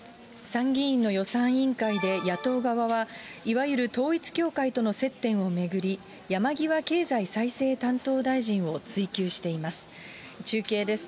参議院の予算委員会で野党側は、いわゆる統一教会との接点を巡り、山際経済再生担当大臣を追及しています。